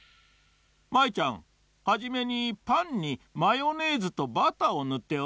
舞ちゃんはじめにパンにマヨネーズとバターをぬっておこう。